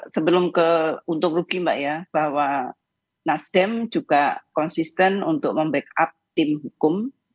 sebelum ke untuk rugi mbak ya bahwa nasdem juga konsisten untuk membackup tim hukum